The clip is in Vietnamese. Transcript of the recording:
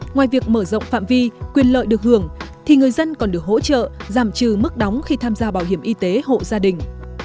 ngoài việc mở rộng phạm vi quyền lợi được hưởng thì người dân còn được hỗ trợ giảm trừ mức đóng khi tham gia bảo hiểm y tế hộ gia đình